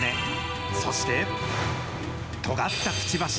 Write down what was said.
そしてとがったくちばし。